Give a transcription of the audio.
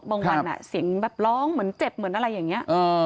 บางวันเสียงแบบร้องเหมือนเจ็บเหมือนอะไรอย่างนี้